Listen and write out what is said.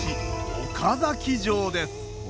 岡崎城です